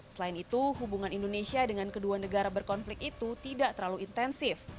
selain itu hubungan indonesia dengan kedua negara berkonflik itu tidak terlalu intensif